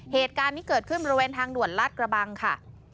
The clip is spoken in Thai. เหตุการณ์นี้เกิดขึ้นบริเวณทางด่วนลาดกระบังค่ะ